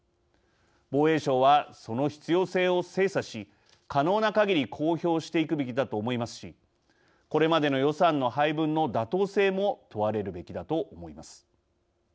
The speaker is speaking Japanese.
防衛省はその必要性を精査し可能なかぎり公表していくべきだと思いますしこれまでの予算の配分の妥当性も問われるべきだと思います。